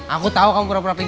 aku tahu kamu pernah p brauchen